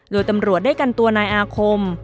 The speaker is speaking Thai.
โดยตำรวจได้กันตัวนายอาคม